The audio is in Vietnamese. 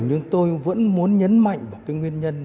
nhưng tôi vẫn muốn nhấn mạnh vào cái nguyên nhân